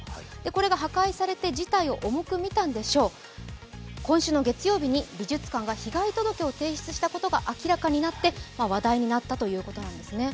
これが破壊されて事態を重くみたんでしょう、今週の月曜日に美術館が被害届を提出したことが明らかになって話題になったということなんですね。